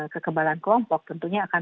kekebalan kelompok tentunya akan